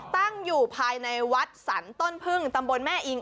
ตั้งอยู่ภายในวัดสรรต้นพึ่งตำบลแม่อิง